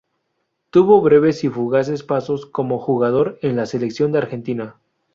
Tuvo breves y fugaces pasos como jugador en la Selección de Argentina.